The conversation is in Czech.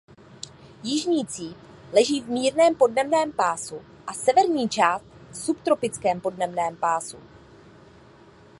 Jižní cíp leží v mírném podnebném pásu a severní část v subtropickém podnebném pásu.